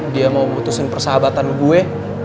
dia mau putusin persahabatan gue